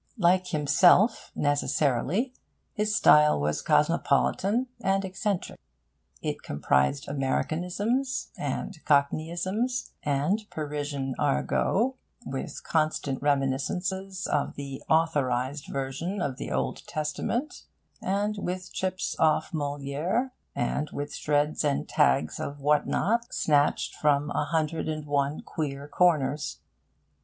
Like himself, necessarily, his style was cosmopolitan and eccentric. It comprised Americanisms and Cockneyisms and Parisian argot, with constant reminiscences of the authorised version of the Old Testament, and with chips off Molie're, and with shreds and tags of what not snatched from a hundred and one queer corners.